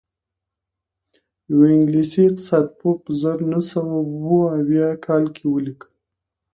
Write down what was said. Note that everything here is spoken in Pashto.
یوه انګلیسي اقتصاد پوه په زر نه سوه اووه اویا کال کې ولیکل